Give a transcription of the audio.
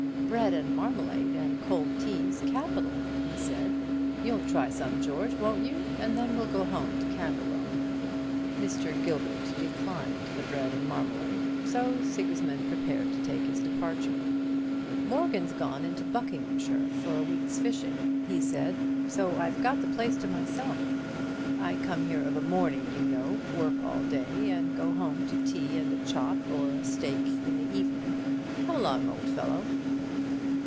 "Bread and marmalade and cold tea's capital," he said; "you'll try some, George, won't you? and then we'll go home to Camberwell." Mr. Gilbert declined the bread and marmalade; so Sigismund prepared to take his departure. "Morgan's gone into Buckinghamshire for a week's fishing," he said, "so I've got the place to myself. I come here of a morning, you know, work all day, and go home to tea and a chop or a steak in the evening. Come along, old fellow."